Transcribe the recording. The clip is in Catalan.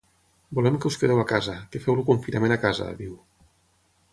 Volem que us quedeu a casa, que feu el confinament a casa, diu.